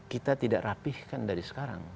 kita tidak rapihkan dari sekarang